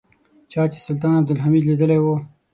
چا چې سلطان عبدالحمید لیدلی و.